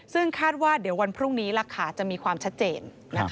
ซึ่งคาดว่าเดี๋ยววันพรุ่งนี้ราคาจะมีความชัดเจน